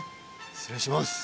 失礼します。